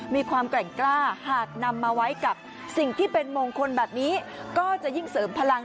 มีความแกร่งกล้าหากนำมาไว้กับสิ่งที่เป็นมงคลแบบนี้ก็จะยิ่งเสริมพลัง